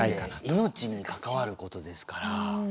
命に関わることですから。